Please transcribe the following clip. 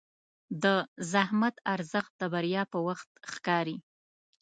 د زحمت ارزښت د بریا په وخت ښکاري.